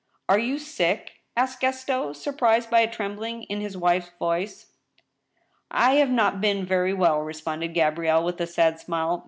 " Are you sick ?" asked Gaston, surprised by a trembling in his wife's voice. " I have not been very well," responded Gabrielle, with a sad smile